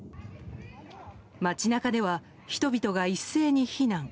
街中では人々が一斉に避難。